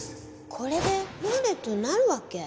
これでルーレットになるわけ？